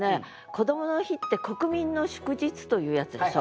こどもの日って国民の祝日というやつでしょ。